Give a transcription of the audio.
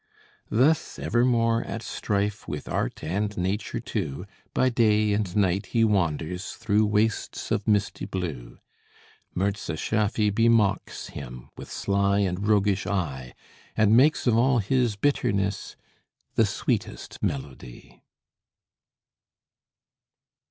Thus, evermore at strife With Art and Nature too, By day and night he wanders Through wastes of misty blue, Mirza Schaffy bemocks him With sly and roguish eye, And makes of all his bitterness The sweetest melody.